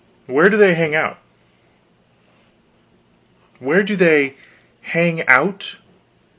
Where do they hang out?" "Where do they hang out?"